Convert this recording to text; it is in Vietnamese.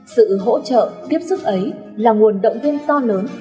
sự hỗ trợ tiếp sức ấy là nguồn động viên to lớn